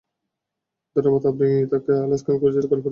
ধন্যবাদ আপনি কি তাকে আলাস্কান ক্রুজের গল্পটা বলেছেন?